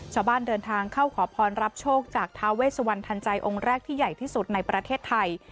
ชาวบ้านเดินทางเข้าขอพรรับโชคจากท้าเวสวันทันใจองค์แรกที่ใหญ่ที่สุดในประเทศไทย